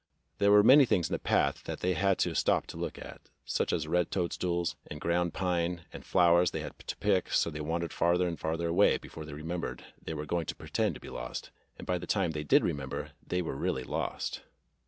There were many things in the path that they had to 64 THE BLUE AUNT stop to look at, such as red toadstools, and ground pine, and flowers they had to pick, so they wandered farther and farther away before they remembered they were going to pretend to be lost, and by the time they did remember they were really lost.